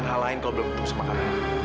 jangan ya tol bahan